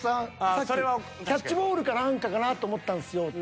さっき「キャッチボールか何かかなと思ったんすよ」